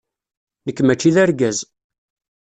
Nekk mačči d argaz!